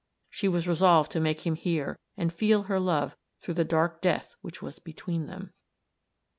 She was resolved to make him hear and feel her love through the dark death which was between them.